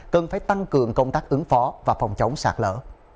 cần phải tăng cường công tác ứng phó và phòng chống sạt lỡ